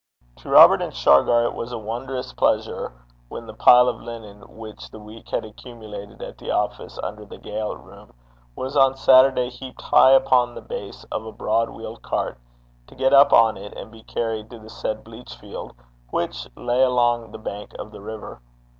To Robert and Shargar it was a wondrous pleasure when the pile of linen which the week had accumulated at the office under the ga'le room, was on Saturday heaped high upon the base of a broad wheeled cart, to get up on it and be carried to the said bleachfield, which lay along the bank of the river.